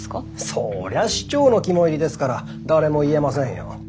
そりゃ市長の肝煎りですから誰も言えませんよ。